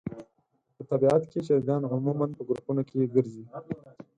په طبیعت کې چرګان عموماً په ګروپونو کې ګرځي.